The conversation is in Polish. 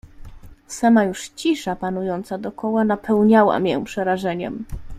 "Sama już cisza, panująca dokoła, napełniała mię przerażeniem."